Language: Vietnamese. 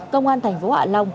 công an thành phố hạ long